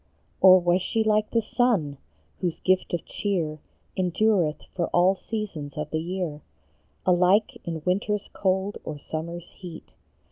Or was she like the sun, whose gift of cheer Endureth for all seasons of the year, Alike in winter s cold or summer s heat?